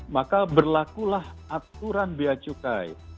maka berlakulah aturan biaya cukai